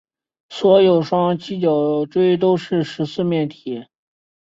所有双七角锥都是十四面体。